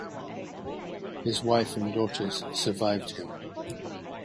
His wife and daughters survived him.